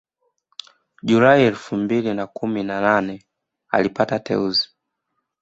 Julai elfu mbili na kumi na nane alipata teuzi